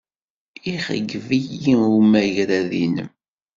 Ixeyyeb-iyi umagrad-nnem.